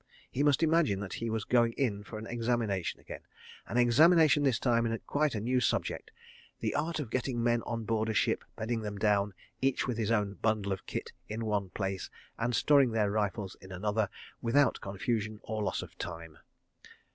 He must imagine that he was going in for an examination again—an examination this time in quite a new subject, "The art of getting men on board a ship, bedding them down, each with his own bundle of kit, in one place, and storing their rifles in another, without confusion or loss of time."